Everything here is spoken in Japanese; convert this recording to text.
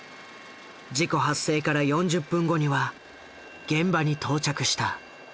事故発生から４０分後には現場に到着した。